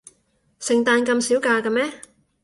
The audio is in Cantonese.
聖誕咁少假嘅咩？